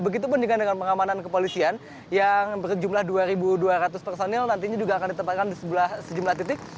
begitupun dengan pengamanan kepolisian yang berjumlah dua dua ratus personil nantinya juga akan ditempatkan di sejumlah titik